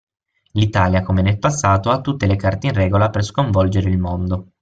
L'Italia come nel passato ha tutte le carte in regola per sconvolgere il mondo.